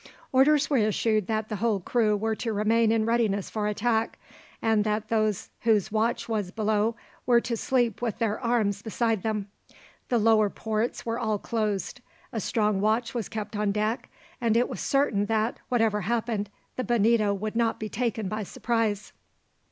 Orders were issued that the whole crew were to remain in readiness for attack, and that those whose watch was below were to sleep with their arms beside them. The lower ports were all closed, a strong watch was kept on deck, and it was certain that, whatever happened, the Bonito would not be taken by surprise.